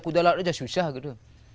budidaya laut saja susah gitu